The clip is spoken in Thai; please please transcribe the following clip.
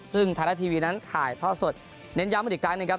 ซึ่งไทยรัฐทีวีนั้นถ่ายท่อสดเน้นย้ำกันอีกครั้งนะครับ